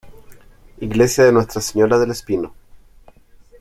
Iglesia de Nuestra Señora del Espino.